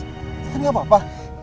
intan gak apa apa